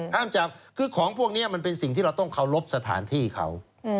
ห้ามจับคือของพวกนี้มันเป็นสิ่งที่เราต้องเคารพสถานที่เขา